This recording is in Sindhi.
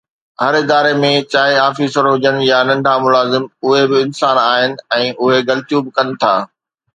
هر اداري ۾ چاهي آفيسر هجن يا ننڍا ملازم، اهي به انسان آهن ۽ اهي غلطيون به ڪن ٿا